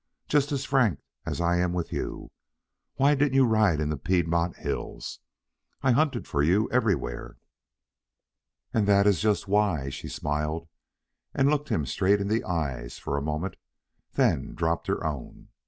"Just as frank as I am with you. Why didn't you ride in the Piedmont hills? I hunted for you everywhere. "And that is just why." She smiled, and looked him straight in the eyes for a moment, then dropped her own.